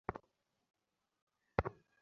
এখন আমার চাবি কোথায় বলো।